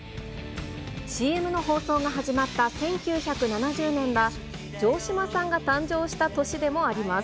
ＣＭの放送が始まった１９７０年は、城島さんが誕生した年でもあります。